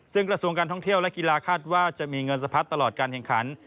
ซึ่งกระทรวงการท่องเที่ยวและกีฬาคาดว่าจะมีเงินสะพัดตลอดการแข่งขัน